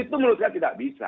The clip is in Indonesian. itu menurut saya tidak bisa